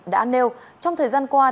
đã nêu trong thời gian qua